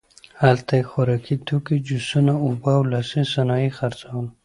هلته یې خوراکي توکي، جوسونه، اوبه او لاسي صنایع خرڅول.